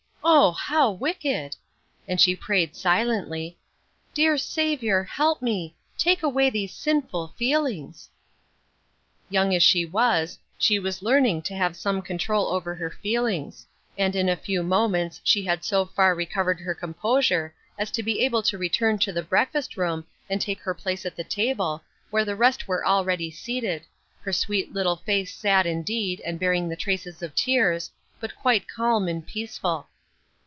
Oh! how wicked!" And she prayed silently, "Dear Saviour, help me! take away these sinful feelings." Young as she was, she was learning to have some control over her feelings, and in a few moments she had so far recovered her composure as to be able to return to the breakfast room and take her place at the table, where the rest were already seated, her sweet little face sad indeed and bearing the traces of tears, but quite calm and peaceful.